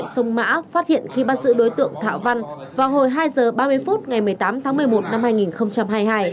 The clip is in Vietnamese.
sông mã phát hiện khi bắt giữ đối tượng thạo văn vào hồi hai h ba mươi phút ngày một mươi tám tháng một mươi một năm hai nghìn hai mươi hai